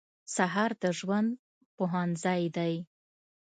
سهار د ژوند پوهنځی دی.